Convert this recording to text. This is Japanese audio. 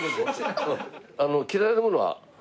嫌いなものは？